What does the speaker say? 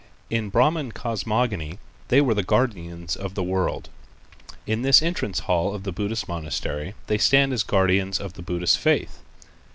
In Brahman cosmogony they were the guardians of the world. In this entrance hall of the Buddhist monastery they stand as guardians of the Buddhist faith.